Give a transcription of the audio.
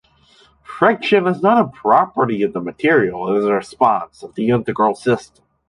Friction is not a property of the material, it is a response of the integral system.